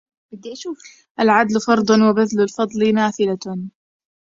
العدل فرض وبذل الفضل نافلة